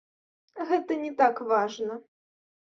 Гэта не так важна.